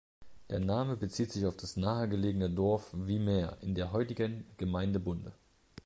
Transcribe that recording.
Der Name bezieht sich auf das nahegelegene Dorf Wymeer in der heutigen Gemeinde Bunde.